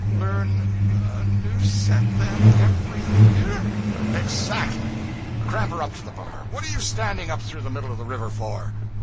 'Learn a new set, then, every year?' 'Exactly. Cramp her up to the bar! What are you standing up through the middle of the river for?'